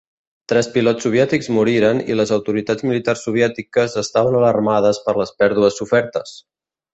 Tres pilots soviètics moriren i les autoritats militars soviètiques estaven alarmades per les pèrdues sofertes.